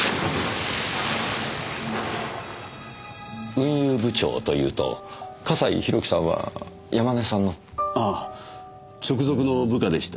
運輸部長というと笠井宏樹さんは山根さんの。ああ直属の部下でした。